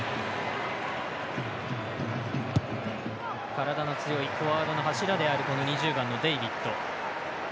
体の強いフォワードの柱である２０番のデイビッド。